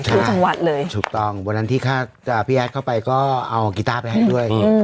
ที่จังหวัดเลยถูกต้องวันนั้นที่พี่แอดเข้าไปก็เอากีต้าไปให้ด้วย